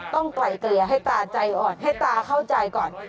ไกลเกลี่ยให้ตาใจอ่อนให้ตาเข้าใจก่อน